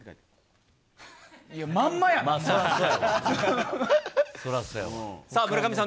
まんまやん！